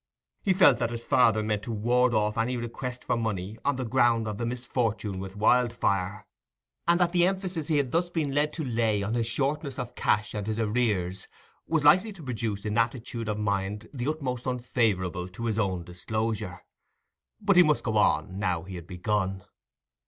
He felt that his father meant to ward off any request for money on the ground of the misfortune with Wildfire, and that the emphasis he had thus been led to lay on his shortness of cash and his arrears was likely to produce an attitude of mind the utmost unfavourable for his own disclosure. But he must go on, now he had begun.